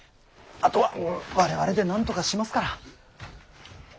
あとは我々でなんとかしますから。